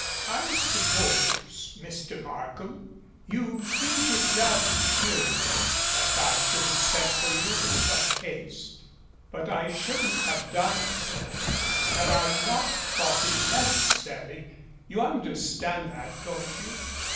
"I suppose, Mr. Markham, you think it rather curi ous that I should have sent for you in such haste, but I shouldn't have done so had I not thought it necessary. You understand that, don't you?"